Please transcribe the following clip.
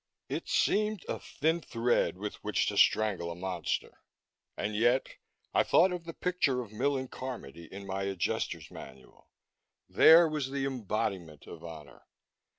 It seemed a thin thread with which to strangle a monster. And yet, I thought of the picture of Millen Carmody in my Adjuster's Manual. There was the embodiment of honor.